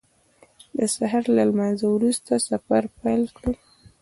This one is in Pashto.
د سهار له لمانځه وروسته سفر پیل کړ.